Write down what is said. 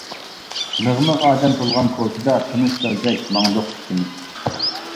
مىغ-مىغ ئادەم تولغان كوچىدا، تونۇشلاردەك ماڭدۇق ئىككىمىز.